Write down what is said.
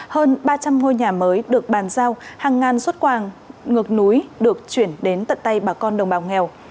hơn ba trăm linh ngôi nhà mới được bàn giao hàng ngàn xuất quàng ngược núi được chuyển đến tận tay bà con đồng bào nghèo